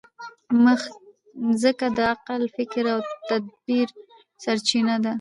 مځکه د عقل، فکر او تدبر سرچینه ده.